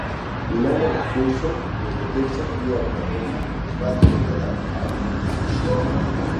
Lowell Fulson, des de Texas via Oklahoma, es va traslladar a Oakland.